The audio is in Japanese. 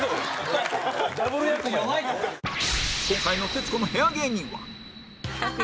今回の徹子の部屋芸人は